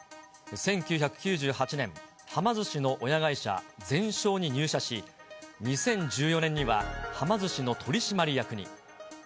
１９９８年、はま寿司の親会社、ゼンショーに入社し、２０１４年にははま寿司の取締役に。